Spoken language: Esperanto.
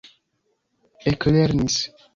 eklernis